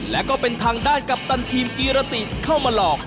และก็เป็นทางด้านกัปตันทีมกีรติเข้ามาหลอก